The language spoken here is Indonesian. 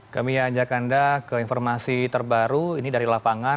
kami ajak anda ke informasi terbaru ini dari lapangan